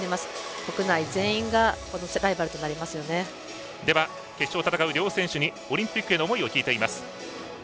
国内全員が決勝を戦う両選手にオリンピックへの思いを聞いています。